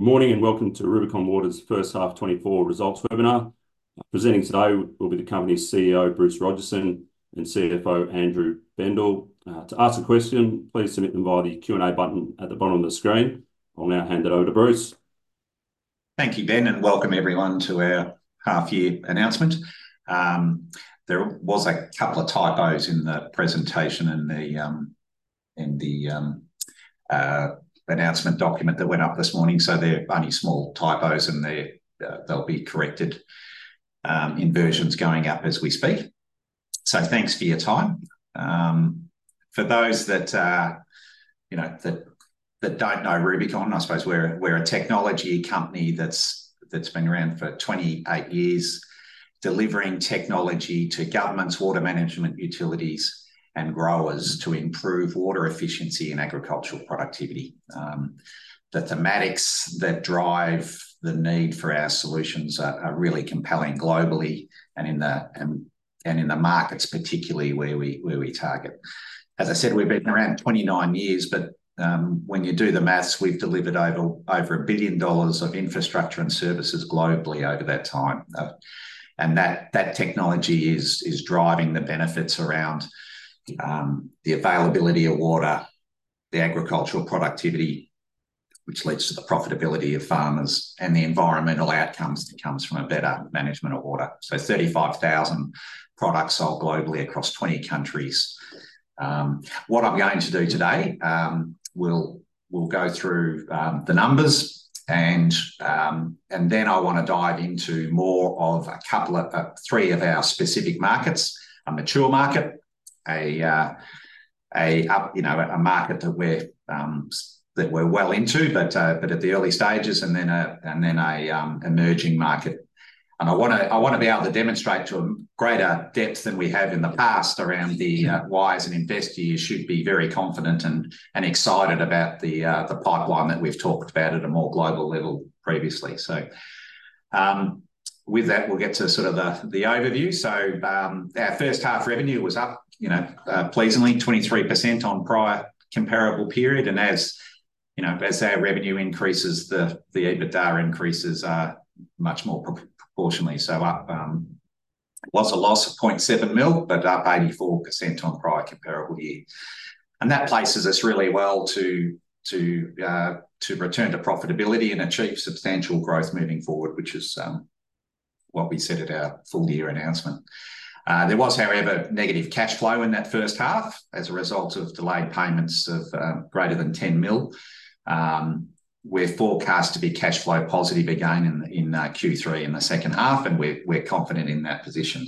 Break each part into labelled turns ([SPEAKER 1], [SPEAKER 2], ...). [SPEAKER 1] Good morning and welcome to Rubicon Water's First Half 2024 Results Webinar. Presenting today will be the company's CEO, Bruce Rogerson, and CFO, Andrew Bendall. To ask a question, please submit them via the Q&A button at the bottom of the screen. I'll now hand it over to Bruce.
[SPEAKER 2] Thank you, Ben, and welcome everyone to our half-year announcement. There was a couple of typos in the presentation and the announcement document that went up this morning, so they're only small typos and they'll be corrected in versions going up as we speak. So thanks for your time. For those that don't know Rubicon, I suppose we're a technology company that's been around for 28 years delivering technology to governments, water management utilities, and growers to improve water efficiency and agricultural productivity. The thematics that drive the need for our solutions are really compelling globally and in the markets particularly where we target. As I said, we've been around 29 years, but when you do the math, we've delivered over 1 billion dollars of infrastructure and services globally over that time. That technology is driving the benefits around the availability of water, the agricultural productivity, which leads to the profitability of farmers, and the environmental outcomes that come from a better management of water. 35,000 products sold globally across 20 countries. What I'm going to do today, we'll go through the numbers, and then I want to dive into more of three of our specific markets: a mature market, a market that we're well into, but at the early stages, and then an emerging market. I want to be able to demonstrate to a greater depth than we have in the past around the whys and investors should be very confident and excited about the pipeline that we've talked about at a more global level previously. With that, we'll get to sort of the overview. Our first half revenue was up pleasingly 23% on prior comparable period. As our revenue increases, the EBITDA increases much more proportionately. Loss of 0.7 million, but up 84% on prior comparable year. That places us really well to return to profitability and achieve substantial growth moving forward, which is what we said at our full-year announcement. There was, however, negative cash flow in that first half as a result of delayed payments of greater than 10 million. We're forecast to be cash flow positive again in Q3 in the second half, and we're confident in that position.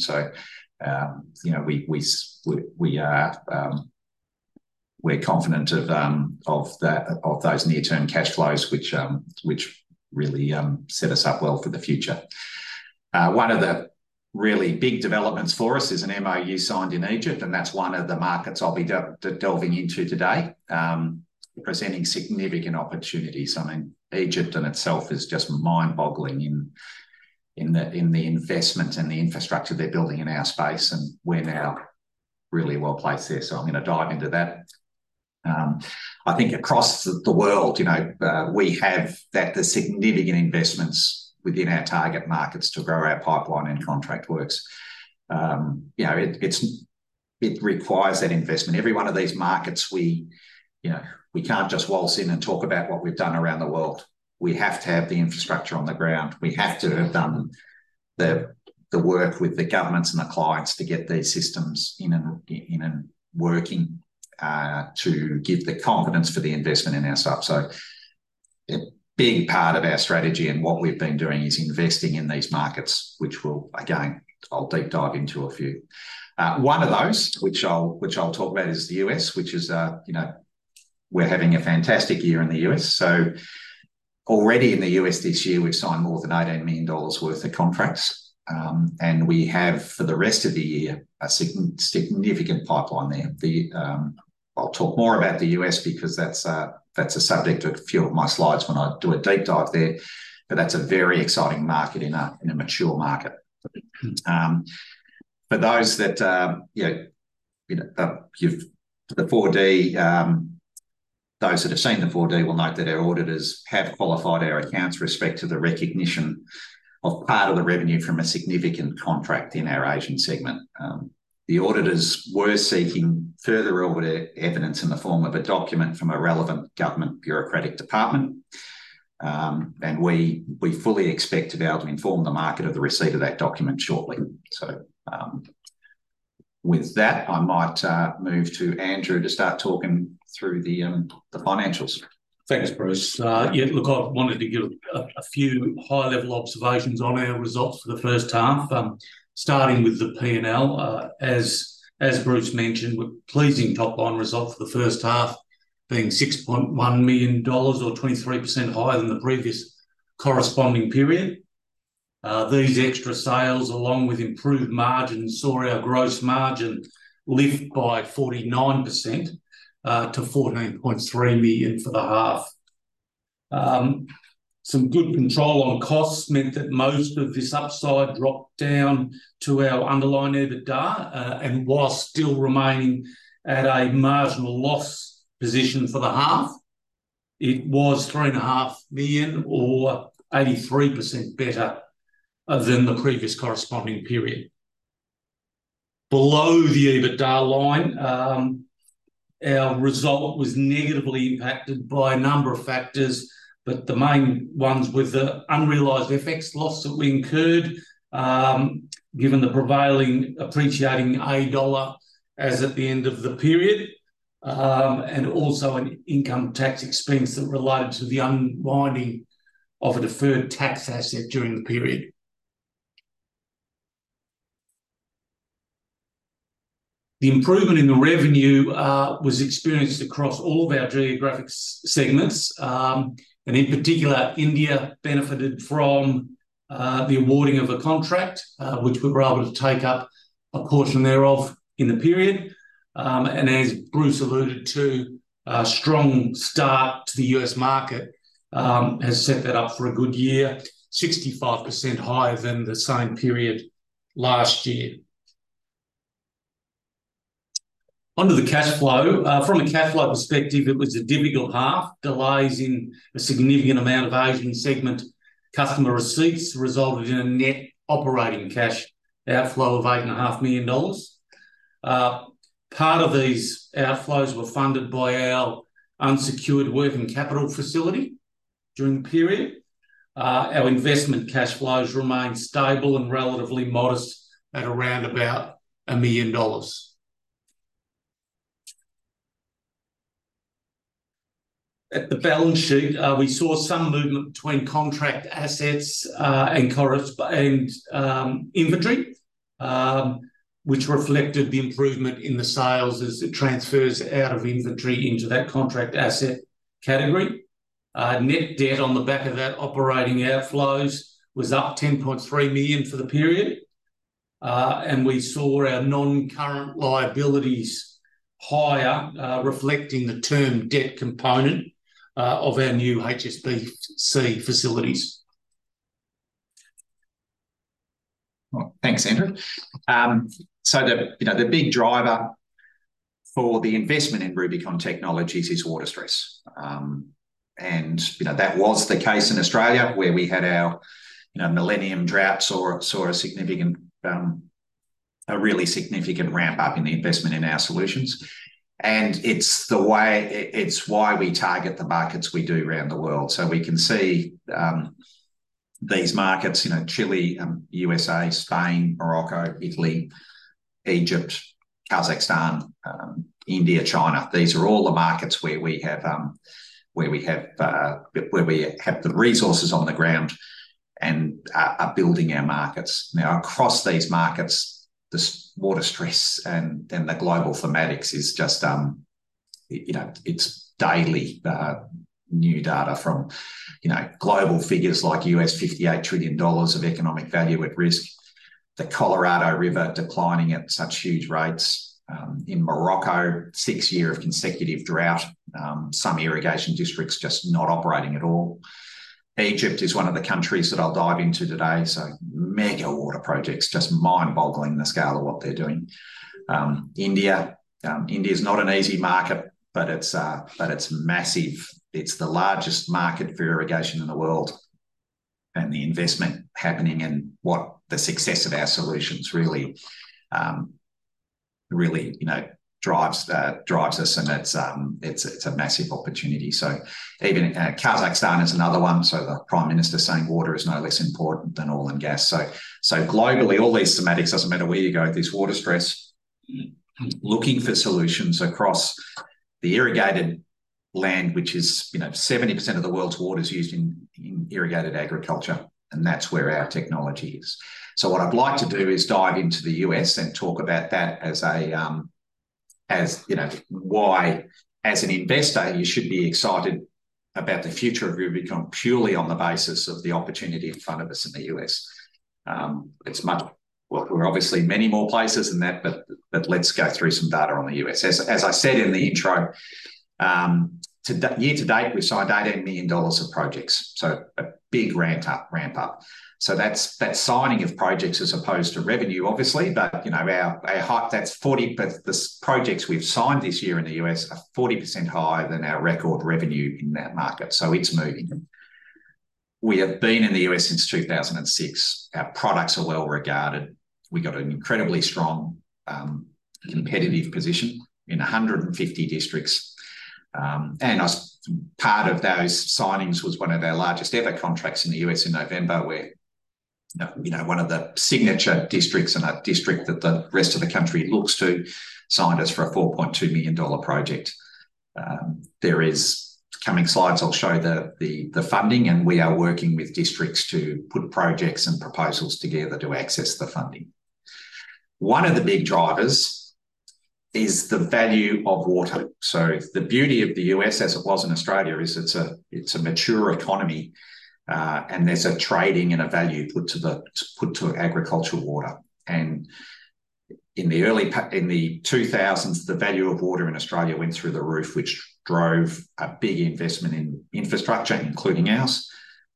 [SPEAKER 2] We're confident of those near-term cash flows, which really set us up well for the future. One of the really big developments for us is an MOU signed in Egypt, and that's one of the markets I'll be delving into today, presenting significant opportunities. I mean, Egypt in itself is just mind-boggling in the investment and the infrastructure they're building in our space, and we're now really well placed there. So I'm going to dive into that. I think across the world, we have the significant investments within our target markets to grow our pipeline and contract works. It requires that investment. Every one of these markets, we can't just waltz in and talk about what we've done around the world. We have to have the infrastructure on the ground. We have to have done the work with the governments and the clients to get these systems in and working to give the confidence for the investment in our stuff. So a big part of our strategy and what we've been doing is investing in these markets, which we'll, again, I'll deep dive into a few. One of those, which I'll talk about, is the U.S., which is we're having a fantastic year in the U.S., so already in the U.S. this year, we've signed more than $18 million worth of contracts, and we have, for the rest of the year, a significant pipeline there. I'll talk more about the U.S. because that's a subject of a few of my slides when I do a deep dive there. But that's a very exciting market in a mature market. For those that the 4D, those that have seen the 4D will note that our auditors have qualified our accounts with respect to the recognition of part of the revenue from a significant contract in our Asian segment. The auditors were seeking further audit evidence in the form of a document from a relevant government bureaucratic department. And we fully expect to be able to inform the market of the receipt of that document shortly. So with that, I might move to Andrew to start talking through the financials.
[SPEAKER 3] Thanks, Bruce. Look, I wanted to give a few high-level observations on our results for the first half, starting with the P&L. As Bruce mentioned, we're pleased with top-line results for the first half, being $6.1 million, or 23% higher than the previous corresponding period. These extra sales, along with improved margins, saw our gross margin lift by 49% to 14.3 million for the half. Some good control on costs meant that most of this upside dropped down to our underlying EBITDA, and while still remaining at a marginal loss position for the half, it was 3.5 million, or 83% better than the previous corresponding period. Below the EBITDA line, our result was negatively impacted by a number of factors, but the main ones were the unrealized FX loss that we incurred, given the prevailing appreciating AUD as at the end of the period, and also an income tax expense that related to the unwinding of a deferred tax asset during the period. The improvement in the revenue was experienced across all of our geographic segments, and in particular, India benefited from the awarding of a contract, which we were able to take up a portion thereof in the period, and as Bruce alluded to, a strong start to the US market has set that up for a good year, 65% higher than the same period last year. Under the cash flow, from a cash flow perspective, it was a difficult half. Delays in a significant amount of Asian segment customer receipts resulted in a net operating cash outflow of $8.5 million. Part of these outflows were funded by our unsecured working capital facility during the period. Our investment cash flows remained stable and relatively modest at around about $1 million. At the balance sheet, we saw some movement between contract assets and inventory, which reflected the improvement in the sales as it transfers out of inventory into that contract asset category. Net debt on the back of that operating outflows was up 10.3 million for the period. And we saw our non-current liabilities higher, reflecting the term debt component of our new HSBC facilities.
[SPEAKER 2] Thanks, Andrew. So the big driver for the investment in Rubicon Technology is water stress. And that was the case in Australia, where we had our Millennium Drought and saw a really significant ramp-up in the investment in our solutions. And it's why we target the markets we do around the world. So we can see these markets: Chile, USA, Spain, Morocco, Italy, Egypt, Kazakhstan, India, China. These are all the markets where we have the resources on the ground and are building our markets. Now, across these markets, the water stress and the global thematics is just daily new data from global figures like $58 trillion of economic value at risk, the Colorado River declining at such huge rates. In Morocco, six years of consecutive drought, some irrigation districts just not operating at all. Egypt is one of the countries that I'll dive into today. Mega water projects, just mind-boggling, the scale of what they're doing. India, India is not an easy market, but it's massive. It's the largest market for irrigation in the world. And the investment happening and what the success of our solutions really drives us, and it's a massive opportunity. Even Kazakhstan is another one. The Prime Minister saying water is no less important than oil and gas. Globally, all these thematics, it doesn't matter where you go, there's water stress. Looking for solutions across the irrigated land, which is 70% of the world's water is used in irrigated agriculture, and that's where our technology is. So what I'd like to do is dive into the U.S. and talk about that as why, as an investor, you should be excited about the future of Rubicon purely on the basis of the opportunity in front of us in the U.S. We're obviously many more places than that, but let's go through some data on the U.S. As I said in the intro, year to date, we've signed $18 million of projects. So a big ramp-up. So that's signing of projects as opposed to revenue, obviously. But that's 40%. The projects we've signed this year in the U.S. are 40% higher than our record revenue in that market. So it's moving. We have been in the U.S. since 2006. Our products are well regarded. We've got an incredibly strong competitive position in 150 districts. Part of those signings was one of our largest ever contracts in the U.S. in November, where one of the signature districts and a district that the rest of the country looks to signed us for a $4.2 million project. There is coming slides I'll show the funding, and we are working with districts to put projects and proposals together to access the funding. One of the big drivers is the value of water. So the beauty of the U.S., as it was in Australia, is it's a mature economy, and there's a trading and a value put to agricultural water. And in the early 2000s, the value of water in Australia went through the roof, which drove a big investment in infrastructure, including ours.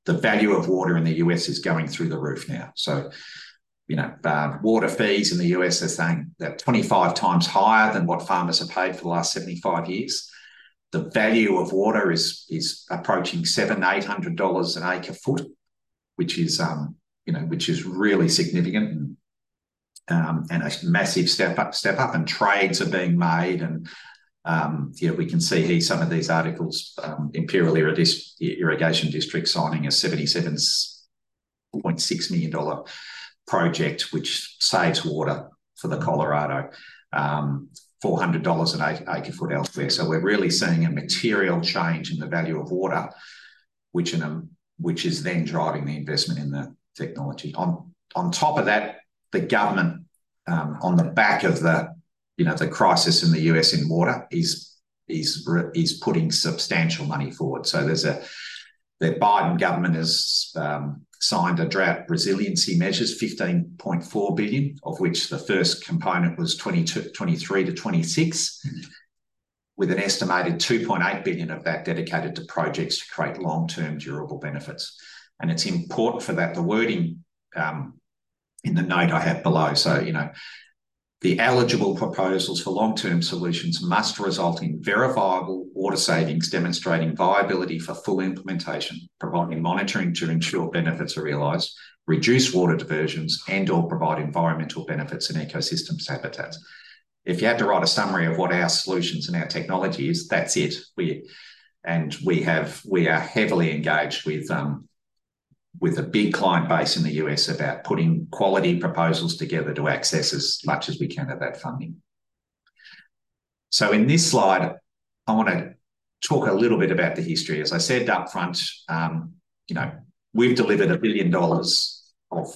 [SPEAKER 2] The value of water in the U.S. is going through the roof now. So water fees in the U.S. are saying they're 25 times higher than what farmers have paid for the last 75 years. The value of water is approaching $700-$800 an acre-foot, which is really significant and a massive step-up. And trades are being made. And we can see here some of these articles, Imperial Irrigation District signing a $77.6 million project, which saves water for Colorado, $400 an acre-foot elsewhere. So we're really seeing a material change in the value of water, which is then driving the investment in the technology. On top of that, the government, on the back of the crisis in the U.S. in water, is putting substantial money forward. So the Biden government has signed a drought resiliency measure, $15.4 billion, of which the first component was $23-$26, with an estimated $2.8 billion of that dedicated to projects to create long-term durable benefits. And it's important for that. The wording in the note I have below, so the eligible proposals for long-term solutions must result in verifiable water savings demonstrating viability for full implementation, providing monitoring to ensure benefits are realized, reduce water diversions, and/or provide environmental benefits and ecosystems habitats. If you had to write a summary of what our solutions and our technology is, that's it. And we are heavily engaged with a big client base in the US about putting quality proposals together to access as much as we can of that funding. So in this slide, I want to talk a little bit about the history. As I said upfront, we've delivered 1 billion dollars of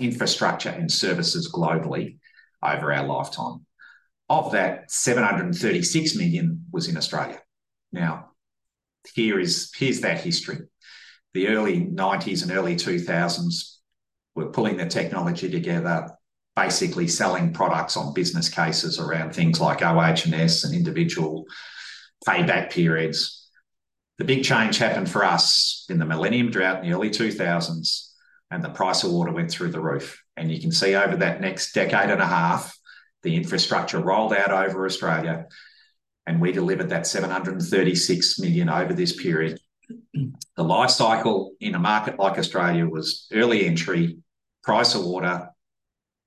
[SPEAKER 2] infrastructure and services globally over our lifetime. Of that, 736 million was in Australia. Now, here's that history. The early 1990s and early 2000s, we're pulling the technology together, basically selling products on business cases around things like OH&S and individual payback periods. The big change happened for us in the millennium drought in the early 2000s, and the price of water went through the roof. You can see over that next decade and a half, the infrastructure rolled out over Australia, and we delivered that $736 million over this period. The life cycle in a market like Australia was early entry, price of water,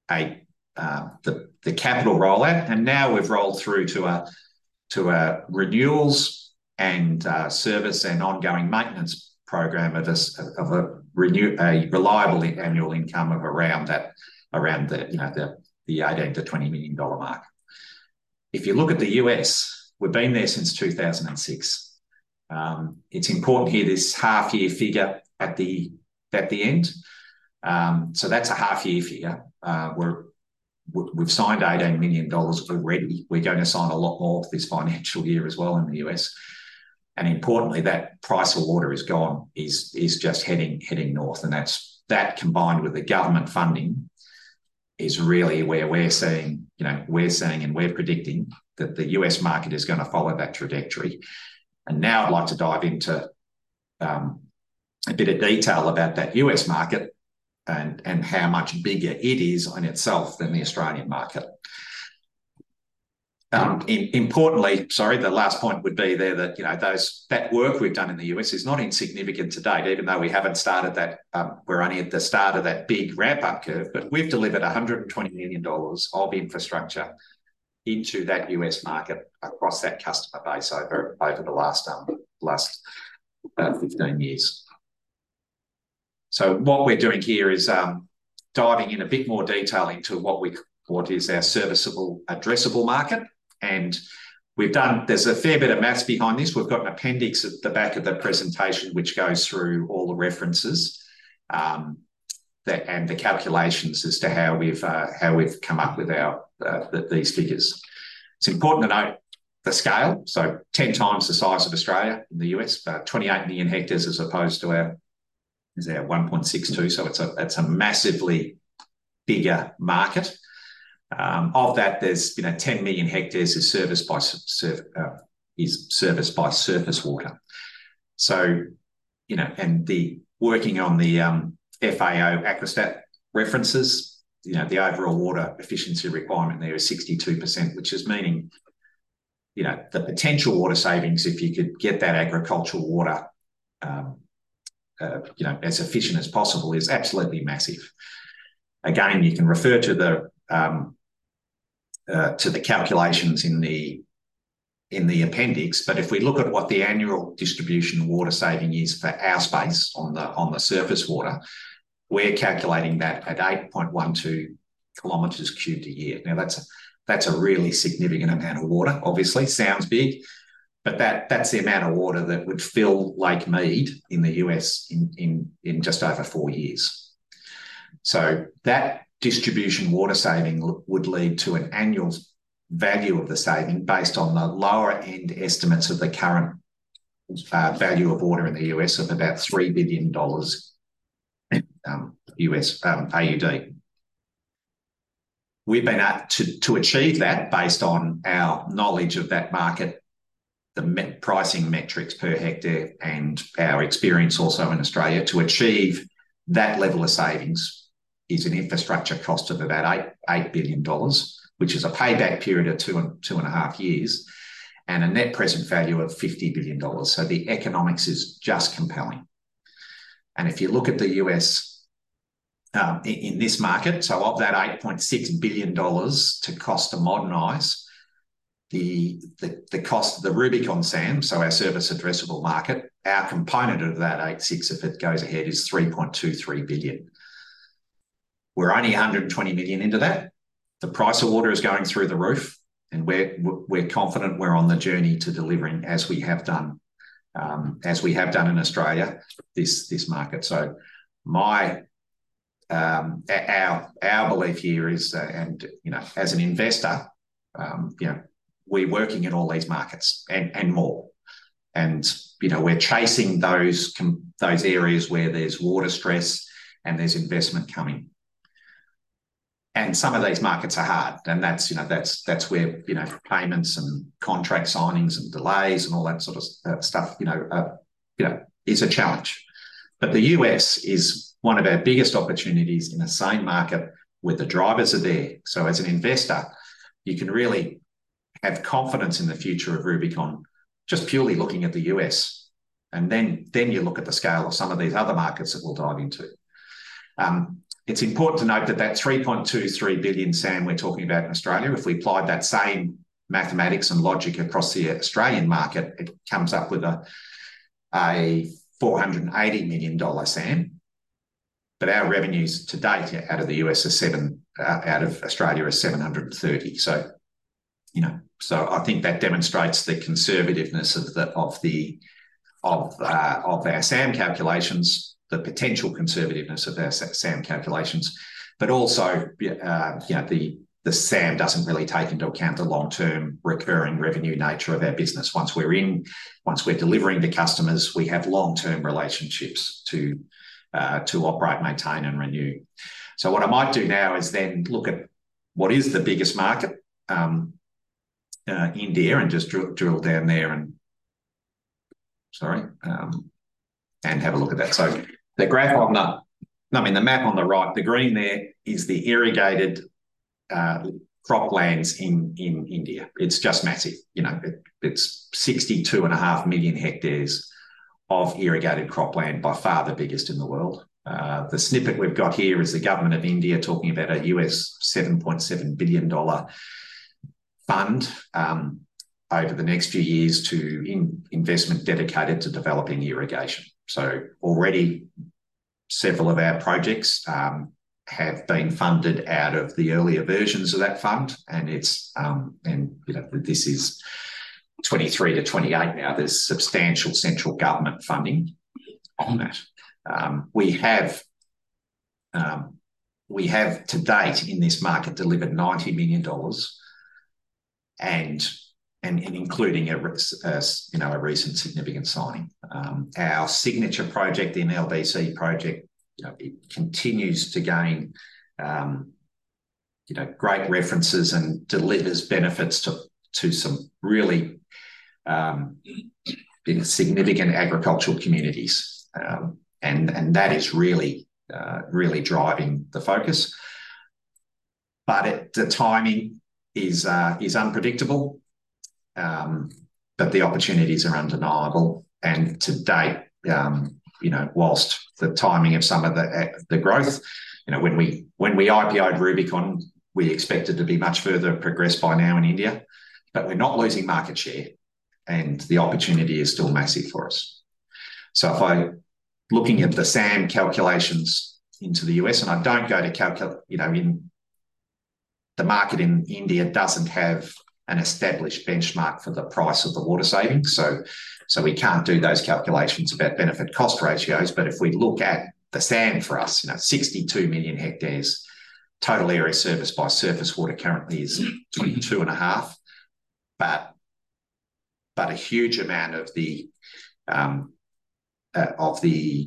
[SPEAKER 2] the capital rollout, and now we've rolled through to renewals and service and ongoing maintenance program of a reliable annual income of around the $18-$20 million mark. If you look at the US, we've been there since 2006. It's important to hear this half-year figure at the end. That's a half-year figure. We've signed $18 million already. We're going to sign a lot more this financial year as well in the U.S. Importantly, that price of water is gone, is just heading north. That combined with the government funding is really where we're saying, and we're predicting that the U.S. market is going to follow that trajectory. Now I'd like to dive into a bit of detail about that U.S. market and how much bigger it is on itself than the Australian market. Importantly, sorry, the last point would be there that that work we've done in the U.S. is not insignificant to date, even though we haven't started that. We're only at the start of that big ramp-up curve, but we've delivered $120 million of infrastructure into that U.S. market across that customer base over the last 15 years. So what we're doing here is diving in a bit more detail into what is our serviceable, addressable market. And there's a fair bit of math behind this. We've got an appendix at the back of the presentation, which goes through all the references and the calculations as to how we've come up with these figures. It's important to note the scale. So 10 times the size of Australia in the US, about 28 million hectares as opposed to our 1.62. So it's a massively bigger market. Of that, there's 10 million hectares is serviced by surface water. And working on the FAO Aquastat references, the overall water efficiency requirement there is 62%, which is meaning the potential water savings, if you could get that agricultural water as efficient as possible, is absolutely massive. Again, you can refer to the calculations in the appendix, but if we look at what the annual distribution water saving is for our space on the surface water, we're calculating that at 8.12 kilometers cubed a year. Now, that's a really significant amount of water, obviously. Sounds big, but that's the amount of water that would fill Lake Mead in the U.S. in just over four years. So that distribution water saving would lead to an annual value of the saving based on the lower-end estimates of the current value of water in the U.S. of about $3 billion. We've been able to achieve that based on our knowledge of that market, the pricing metrics per hectare, and our experience also in Australia to achieve that level of savings is an infrastructure cost of about $8 billion, which is a payback period of two and a half years and a net present value of $50 billion. So the economics is just compelling. And if you look at the US in this market, so of that $8.6 billion to cost to modernize, the cost of the Rubicon SAM, so our serviceable addressable market, our component of that $8.6 billion, if it goes ahead, is $3.23 billion. We're only $120 million into that. The price of water is going through the roof, and we're confident we're on the journey to delivering as we have done in Australia. This market. Our belief here is, and as an investor, we're working in all these markets and more. And we're chasing those areas where there's water stress and there's investment coming. And some of these markets are hard. And that's where payments and contract signings and delays and all that sort of stuff is a challenge. But the U.S. is one of our biggest opportunities in a same market where the drivers are there. So as an investor, you can really have confidence in the future of Rubicon just purely looking at the U.S. And then you look at the scale of some of these other markets that we'll dive into. It's important to note that that 3.23 billion SAM we're talking about in Australia, if we applied that same mathematics and logic across the Australian market, it comes up with a 480 million dollar SAM. Our revenues to date out of the U.S. out of Australia are $730. So I think that demonstrates the conservativeness of our SAM calculations, the potential conservativeness of our SAM calculations, but also the SAM doesn't really take into account the long-term recurring revenue nature of our business. Once we're delivering to customers, we have long-term relationships to operate, maintain, and renew. So what I might do now is then look at what is the biggest market, India, and just drill down there and have a look at that. So the graph on the, I mean, the map on the right, the green there is the irrigated croplands in India. It's just massive. It's 62.5 million hectares of irrigated cropland, by far the biggest in the world. The snippet we've got here is the government of India talking about a $7.7 billion fund over the next few years to investment dedicated to developing irrigation. So already several of our projects have been funded out of the earlier versions of that fund. And this is 2023-2028 now. There's substantial central government funding on that. We have to date in this market delivered $90 million, including a recent significant signing. Our signature project, the NLBC project, continues to gain great references and delivers benefits to some really significant agricultural communities. And that is really driving the focus. But the timing is unpredictable, but the opportunities are undeniable. To date, while the timing of some of the growth, when we IPO'd Rubicon, we expected to be much further progressed by now in India, but we're not losing market share, and the opportunity is still massive for us. Looking at the SAM calculations in the US, and I don't know to calculate the market in India doesn't have an established benchmark for the price of the water savings. We can't do those calculations about benefit-cost ratios. If we look at the SAM for us, 62 million hectares total area serviced by surface water currently is 22 and a half. A huge amount of the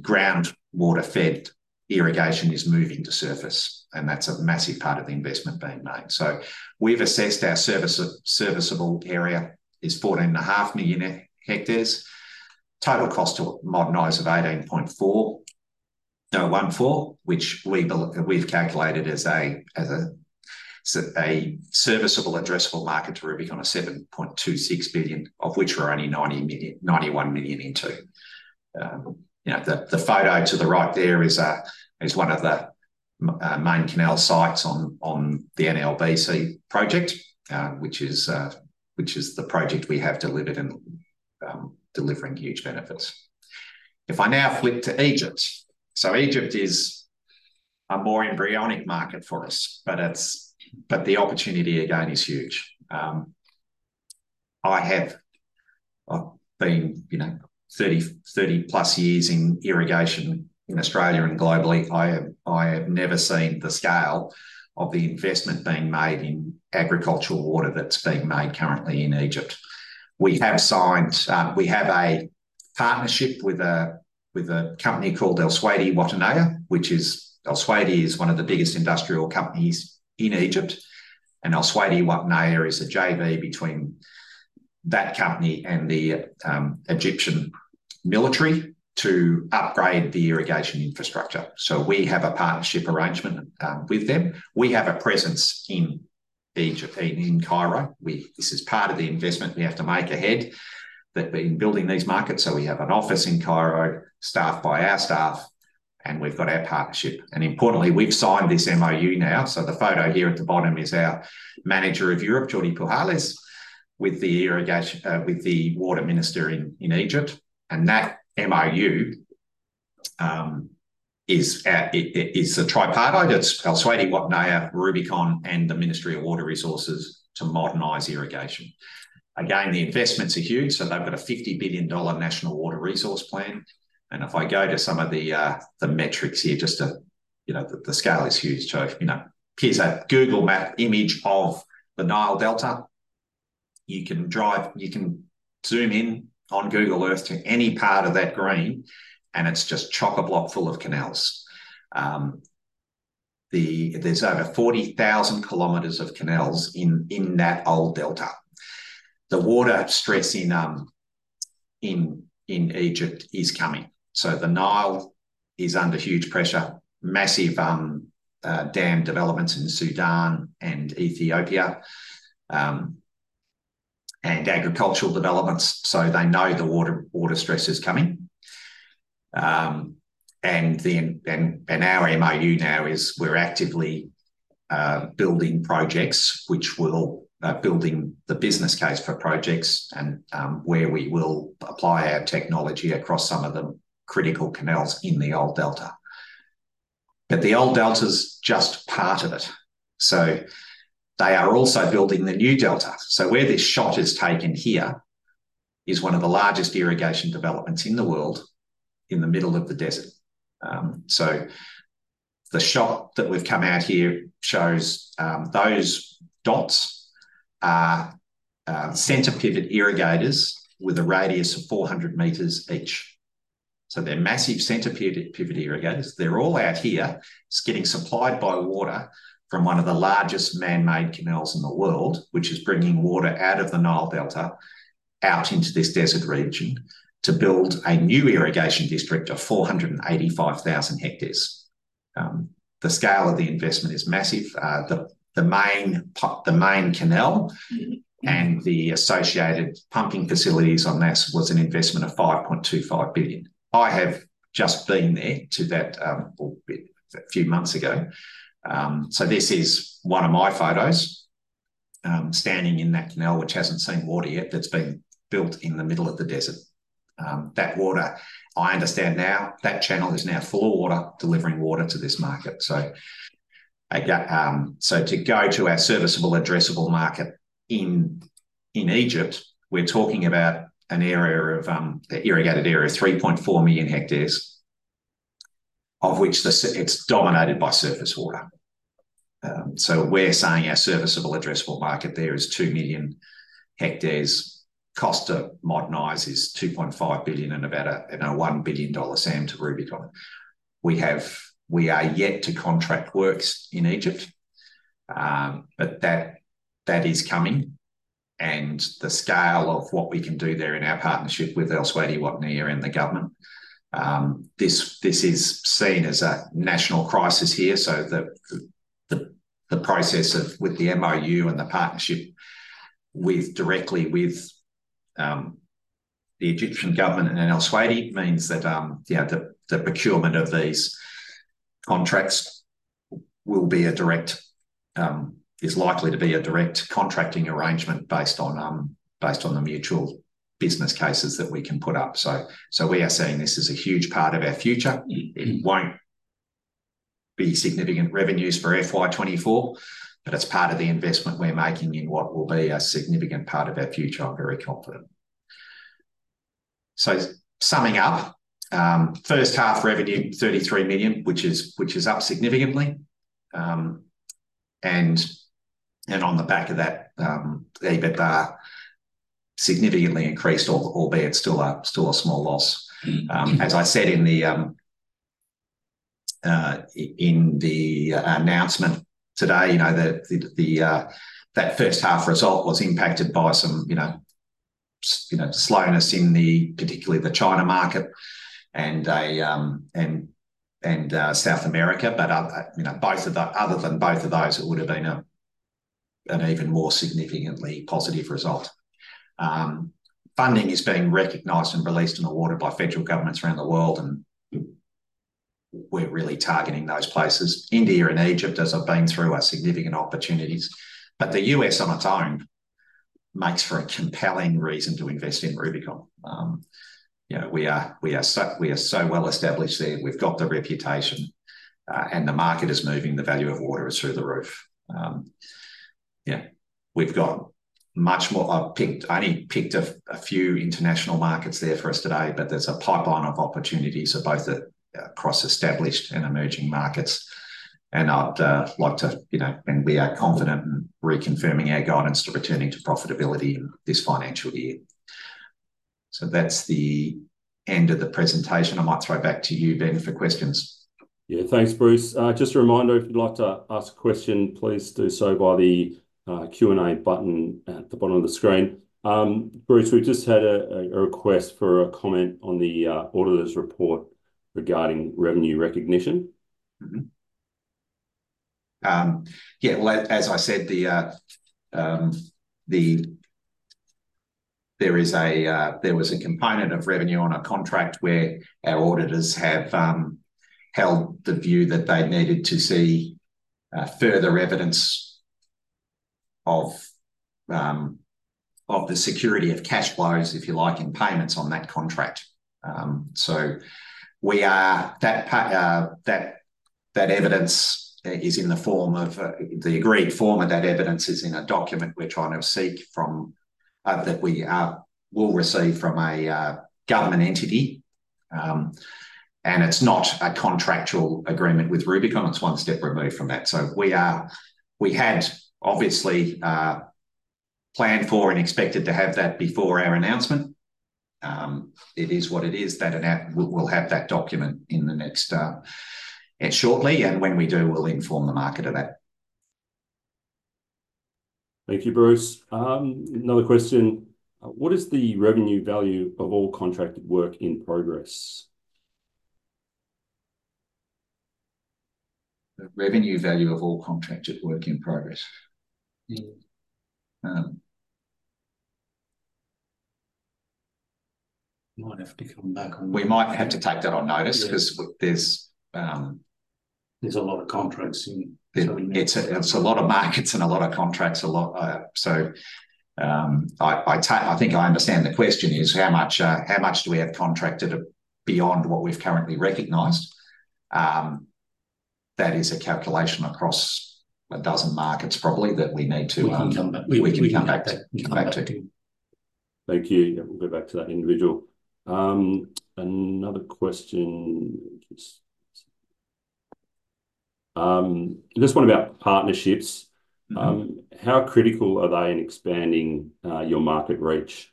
[SPEAKER 2] groundwater-fed irrigation is moving to surface, and that's a massive part of the investment being made. We've assessed our serviceable area is 14.5 million hectares. Total cost to modernize of 18.4 billion, which we've calculated as a serviceable addressable market to Rubicon of 7.26 billion, of which we're only 91 million into. The photo to the right there is one of the main canal sites on the NLBC project, which is the project we have delivered and delivering huge benefits. If I now flip to Egypt, Egypt is a more embryonic market for us, but the opportunity again is huge. I have been 30 plus years in irrigation in Australia and globally. I have never seen the scale of the investment being made in agricultural water that's being made currently in Egypt. We have signed a partnership with a company called Elsewedy Watania, which is Elsewedy is one of the biggest industrial companies in Egypt. And Elsewedy Watania is a JV between that company and the Egyptian military to upgrade the irrigation infrastructure. So we have a partnership arrangement with them. We have a presence in Cairo. This is part of the investment we have to make ahead in building these markets. So we have an office in Cairo, staffed by our staff, and we've got our partnership. And importantly, we've signed this MOU now. So the photo here at the bottom is our Manager of Europe, Jordi Pujales, with the water minister in Egypt. And that MOU is a tripartite. It's Elsewedy Watania, Rubicon, and the Ministry of Water Resources to modernize irrigation. Again, the investments are huge. So they've got a $50 billion National Water Resource plan. And if I go to some of the metrics here, just the scale is huge. Here's a Google Maps image of the Nile Delta. You can zoom in on Google Earth to any part of that green, and it's just chock-a-block full of canals. There's over 40,000 km of canals in that old delta. The water stress in Egypt is coming. The Nile is under huge pressure, massive dam developments in Sudan and Ethiopia, and agricultural developments. They know the water stress is coming. Our MOU now is we're actively building projects, which will build the business case for projects and where we will apply our technology across some of the critical canals in the old delta. The old delta is just part of it. They are also building the new delta. Where this shot is taken here is one of the largest irrigation developments in the world in the middle of the desert. The shot that we've come out here shows those dots are center-pivot irrigators with a radius of 400 meters each. They're massive center-pivot irrigators. They're all out here. It's getting supplied by water from one of the largest man-made canals in the world, which is bringing water out of the Nile Delta out into this desert region to build a new irrigation district of 485,000 hectares. The scale of the investment is massive. The main canal and the associated pumping facilities on this was an investment of $5.25 billion. I have just been there a few months ago. This is one of my photos standing in that canal, which hasn't seen water yet. That's been built in the middle of the desert. I understand now that channel is now full of water delivering water to this market. So to go to our serviceable, addressable market in Egypt, we're talking about an irrigated area, 3.4 million hectares, of which it's dominated by surface water. So we're saying our serviceable, addressable market there is 2 million hectares. Cost to modernize is 2.5 billion and about a 1 billion dollar SAM to Rubicon. We are yet to contract works in Egypt, but that is coming. And the scale of what we can do there in our partnership with Elsewedy Electric Watania and the government, this is seen as a national crisis here. So the process with the MOU and the partnership directly with the Egyptian government and Elsewedy Electric means that the procurement of these contracts will be likely to be a direct contracting arrangement based on the mutual business cases that we can put up. So we are seeing this as a huge part of our future. It won't be significant revenues for FY24, but it's part of the investment we're making in what will be a significant part of our future. I'm very confident, so summing up, first half revenue, 33 million, which is up significantly, and on the back of that, significantly increased, albeit still a small loss. As I said in the announcement today, that first half result was impacted by some slowness in particularly the China market and South America, but other than both of those, it would have been an even more significantly positive result. Funding is being recognized and released in the water by federal governments around the world, and we're really targeting those places. India and Egypt, as I've been through, are significant opportunities, but the US on its own makes for a compelling reason to invest in Rubicon. We are so well established there. We've got the reputation, and the market is moving. The value of water is through the roof. Yeah. We've got much more. I've only picked a few international markets there for us today, but there's a pipeline of opportunities, both across established and emerging markets. We are confident in reconfirming our guidance to returning to profitability this financial year. So that's the end of the presentation. I might throw back to you, Ben, for questions.
[SPEAKER 1] Yeah. Thanks, Bruce. Just a reminder, if you'd like to ask a question, please do so by the Q&A button at the bottom of the screen. Bruce, we've just had a request for a comment on the auditor's report regarding revenue recognition.
[SPEAKER 2] Yeah. As I said, there was a component of revenue on a contract where our auditors have held the view that they needed to see further evidence of the security of cash flows, if you like, and payments on that contract, so that evidence is in the form of the agreed form of that evidence, in a document we're trying to seek that we will receive from a government entity, and it's not a contractual agreement with Rubicon. It's one step removed from that, so we had obviously planned for and expected to have that before our announcement. It is what it is that we'll have that document in the next shortly, and when we do, we'll inform the market of that.
[SPEAKER 1] Thank you, Bruce. Another question. What is the revenue value of all contracted work in progress?
[SPEAKER 2] We might have to come back on. We might have to take that on notice because there's a lot of contracts in. It's a lot of markets and a lot of contracts. So I think I understand the question is how much do we have contracted beyond what we've currently recognized? That is a calculation across a dozen markets probably that we need to. We can come back to.
[SPEAKER 1] Thank you. We'll go back to that individual. Another question. Just one about partnerships. How critical are they in expanding your market reach?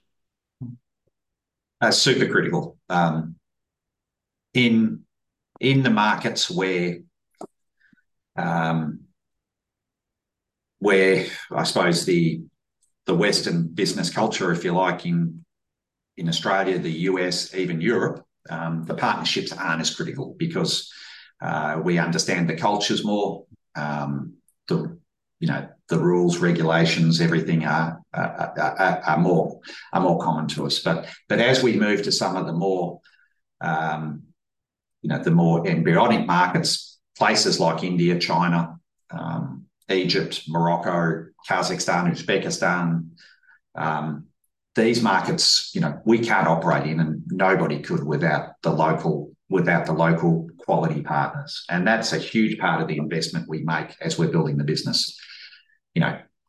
[SPEAKER 2] Super critical. In the markets where, I suppose, the Western business culture, if you like, in Australia, the US, even Europe, the partnerships aren't as critical because we understand the cultures more. The rules, regulations, everything are more common to us. But as we move to some of the more embryonic markets, places like India, China, Egypt, Morocco, Kazakhstan, Uzbekistan, these markets we can't operate in, and nobody could without the local quality partners. And that's a huge part of the investment we make as we're building the business,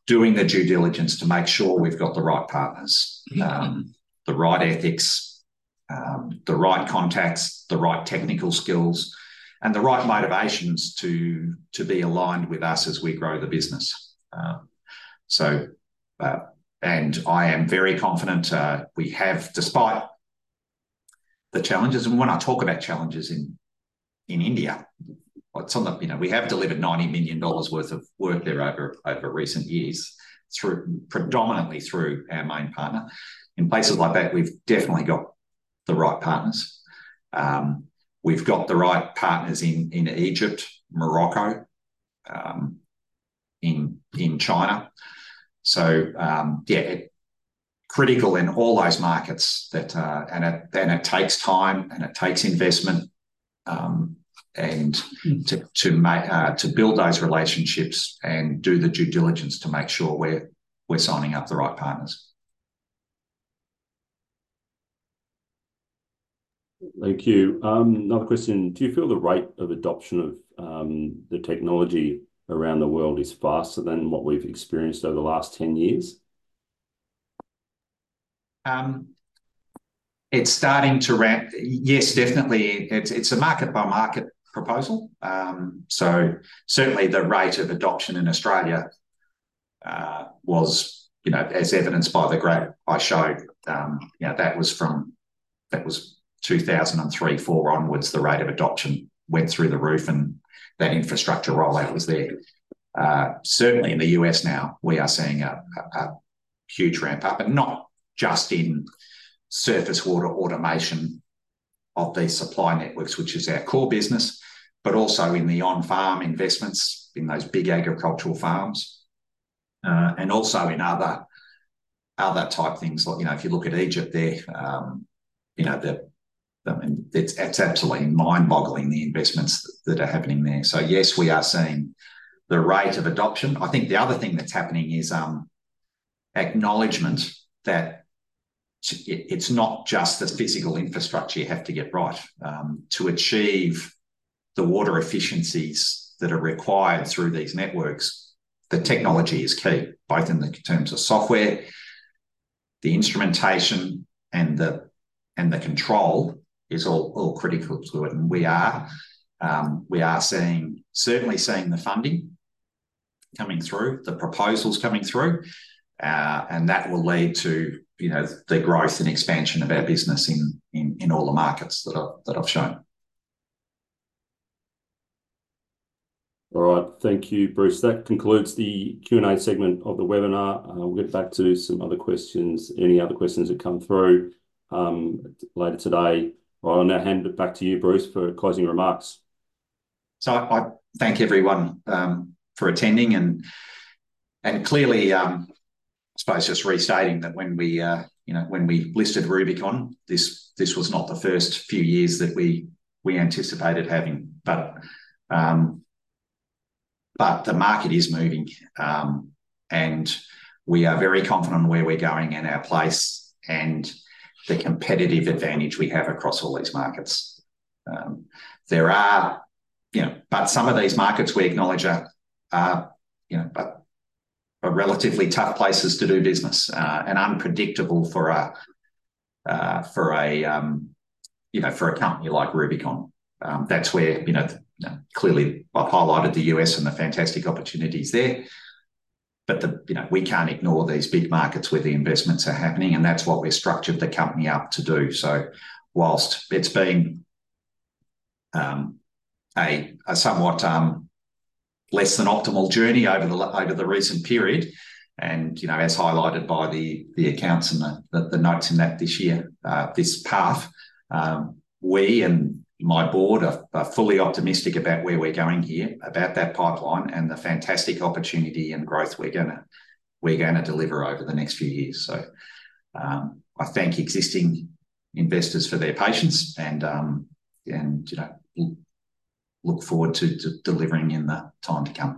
[SPEAKER 2] doing the due diligence to make sure we've got the right partners, the right ethics, the right contacts, the right technical skills, and the right motivations to be aligned with us as we grow the business. And I am very confident we have, despite the challenges, and when I talk about challenges in India, we have delivered 90 million dollars worth of work there over recent years, predominantly through our main partner. In places like that, we've definitely got the right partners. We've got the right partners in Egypt, Morocco, in China. So yeah, critical in all those markets, and it takes time, and it takes investment to build those relationships and do the due diligence to make sure we're signing up the right partners. Thank you. Another question. Do you feel the rate of adoption of the technology around the world is faster than what we've experienced over the last 10 years? It's starting to ramp. Yes, definitely. It's a market-by-market proposal. So certainly, the rate of adoption in Australia was, as evidenced by the graph I showed, that was from 2003, 2004 onwards, the rate of adoption went through the roof, and that infrastructure rollout was there. Certainly, in the U.S. now, we are seeing a huge ramp-up, and not just in surface water automation of these supply networks, which is our core business, but also in the on-farm investments, in those big agricultural farms, and also in other type things. If you look at Egypt there, it's absolutely mind-boggling, the investments that are happening there, so yes, we are seeing the rate of adoption. I think the other thing that's happening is acknowledgement that it's not just the physical infrastructure you have to get right. To achieve the water efficiencies that are required through these networks, the technology is key, both in terms of software, the instrumentation, and the control is all critical to it. And we are certainly seeing the funding coming through, the proposals coming through, and that will lead to the growth and expansion of our business in all the markets that I've shown.
[SPEAKER 1] All right. Thank you, Bruce. That concludes the Q&A segment of the webinar. We'll get back to some other questions, any other questions that come through later today. I'll now hand it back to you, Bruce, for closing remarks.
[SPEAKER 2] So I thank everyone for attending. And clearly, I suppose, just restating that when we listed Rubicon, this was not the first few years that we anticipated having. But the market is moving, and we are very confident in where we're going and our place and the competitive advantage we have across all these markets. But some of these markets we acknowledge are relatively tough places to do business and unpredictable for a company like Rubicon. That's where clearly I've highlighted the US and the fantastic opportunities there. But we can't ignore these big markets where the investments are happening, and that's what we've structured the company up to do. So whilst it's been a somewhat less than optimal journey over the recent period, and as highlighted by the accounts and the notes in that this year, this path, we and my board are fully optimistic about where we're going here, about that pipeline and the fantastic opportunity and growth we're going to deliver over the next few years. So I thank existing investors for their patience and look forward to delivering in the time to come.